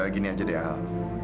gini aja deh al